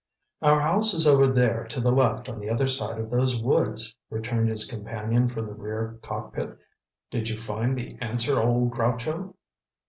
"Our house is over there to the left on the other side of those woods," returned his companion from the rear cockpit. "Did you find the answer, old groucho?"